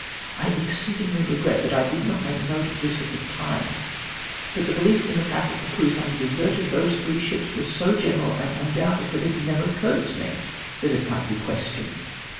I exceedingly regret that I did not make note of this at the time, but the belief in the fact of the crews having deserted those three ships Avas so general and undoubted, that it never occui red to me that it might be questioned.